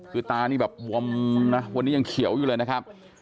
คือตานี่แบบบวมนะวันนี้ยังเขียวอยู่เลยนะครับ